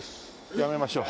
やめましょう。